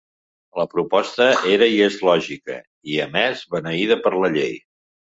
La proposta era i és lògica i, a més, beneïda per la llei.